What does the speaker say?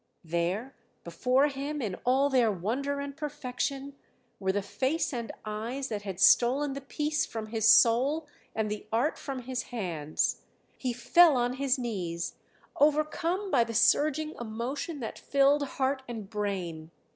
There, before him in all their wonder and perfection, were the face and eyes that had stolen the peace from his soul and the art from his hands. He fell on his knees, overcome by the surging emotion that filled heart and brain.